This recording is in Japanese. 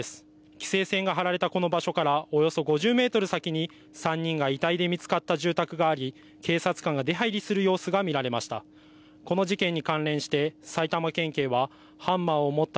規制線が張られたこの場所からおよそ５０メートル先に３人が遺体で見つかった住宅があり警察官が出はいりする様子が見られました。